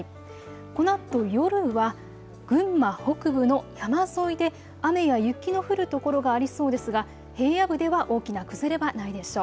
このあと夜は群馬北部の山沿いで雨や雪の降る所がありそうですが平野部では大きな崩れはないでしょう。